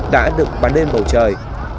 đã được bắn lên bầu trời